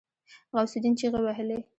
غوث الدين چيغې وهلې.